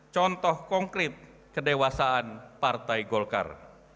contoh konkret kedewasaan partai golkar